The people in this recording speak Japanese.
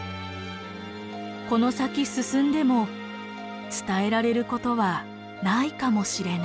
この先進んでも伝えられることはないかもしれない。